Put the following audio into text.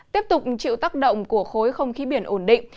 tiếp tục chịu tác động của khối không khí biển ổn định